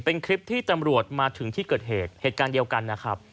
เป็นคลิปที่ตำรวจมาถึงที่เกิดเหตุเหตุการณ์เดียวกันนะครับ